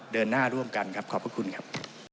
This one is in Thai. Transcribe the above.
เดินหน้าร่วมกันครับขอบพระคุณครับ